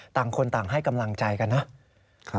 ต่างคนต่างให้กำลังใจกันนะ